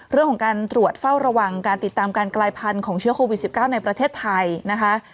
เรื่องของการตรวจเฝ้าระวังการติดตามการกลายพันธุ์ของเชื้อโควิด๑๙ในประเทศไทยนะคะ